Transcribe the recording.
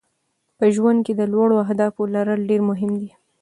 په ژوند کې د لوړو اهدافو لرل ډېر مهم دي.